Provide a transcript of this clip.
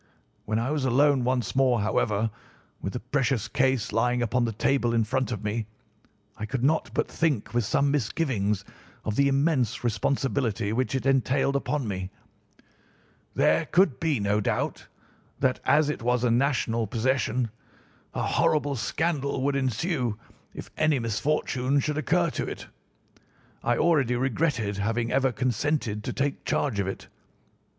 When I was alone once more, however, with the precious case lying upon the table in front of me, I could not but think with some misgivings of the immense responsibility which it entailed upon me. There could be no doubt that, as it was a national possession, a horrible scandal would ensue if any misfortune should occur to it. I already regretted having ever consented to take charge of it.